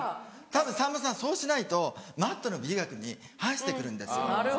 たださんまさんそうしないとＭａｔｔの美学に反して来るんですよ。